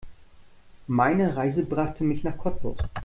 Meine Reise brachte mich nach Cottbus